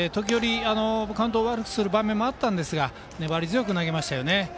カウントを悪くする場面もありましたが粘り強く投げましたよね。